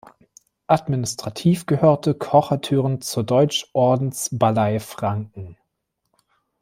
Administrativ gehörte Kochertürn zur Deutschordensballei Franken.